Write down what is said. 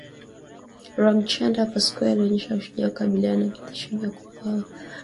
Roegchanda Pascoe alionyesha ushujaa kukabiliana na vitisho vya kuuawa